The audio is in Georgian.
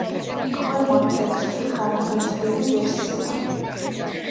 ქვემოთ ტექსტი ხანგრძლივი ვერსია.